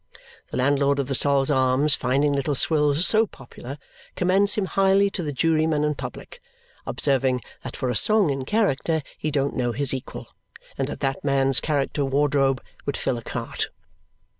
The landlord of the Sol's Arms, finding Little Swills so popular, commends him highly to the jurymen and public, observing that for a song in character he don't know his equal and that that man's character wardrobe would fill a cart.